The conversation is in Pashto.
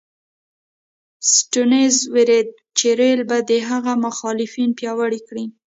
سټیونز وېرېده چې رېل به د هغه مخالفین پیاوړي کړي.